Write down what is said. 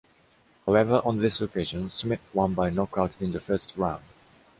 However, on this occasion Smith won by knockout in the first round.